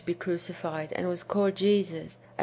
be crucified, and was called Jesus, and.